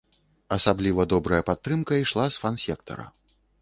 Асабліва добрая падтрымка ішла з фан-сектара.